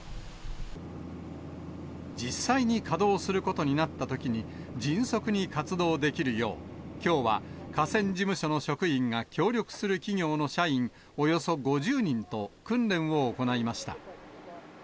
実際に稼働することになったときに、迅速に活動できるよう、きょうは河川事務所の職員が、協力する企業の社員およそ５０人と訓練を行いました。